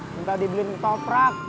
minta dibeliin toprak